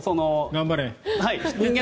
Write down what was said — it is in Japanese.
頑張れ。